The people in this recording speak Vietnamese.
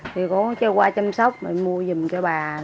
thì cô cho qua chăm sóc mua dùm cho bà